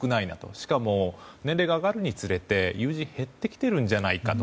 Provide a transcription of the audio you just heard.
しかも年齢が上がるにつれて友人が減ってきてるんじゃないかと。